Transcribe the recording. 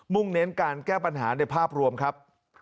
่งเน้นการแก้ปัญหาในภาพรวมครับ